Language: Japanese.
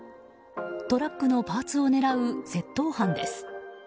トラックのパーツを狙う窃盗犯です。